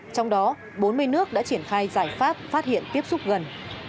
trong đó bốn mươi nước đã triển khai giải pháp phát hiện tiếp xúc gần